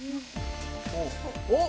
おっ。